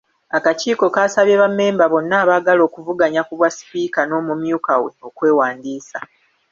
Akakiiko kaasabye bammemba bonna abaagala okuvuganya ku bwa sipiika n’omumyuka we okwewandiisa.